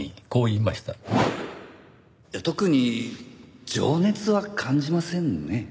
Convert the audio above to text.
いや特に情熱は感じませんね。